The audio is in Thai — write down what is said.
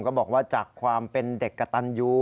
บอกว่าจากความเป็นเด็กกระตันยู